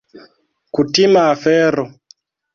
Kutima afero.